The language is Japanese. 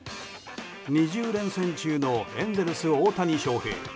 ２０連戦中のエンゼルス、大谷翔平。